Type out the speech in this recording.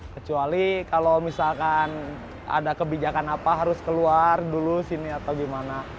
kecuali kalau misalkan ada kebijakan apa harus keluar dulu sini atau gimana